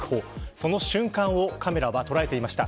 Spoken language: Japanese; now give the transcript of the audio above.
その瞬間をカメラは捉えていました。